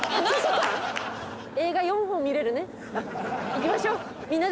行きましょう。